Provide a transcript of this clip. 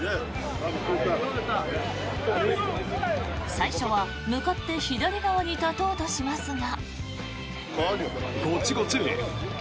最初は向かって左側に立とうとしますが。